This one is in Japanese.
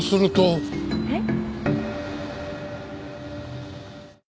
えっ？